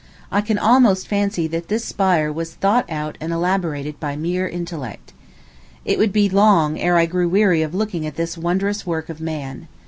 I can almost fancy that this spire was thought out and elaborated by mere intellect. It would be long ere I grew weary of looking at this wondrous work of man.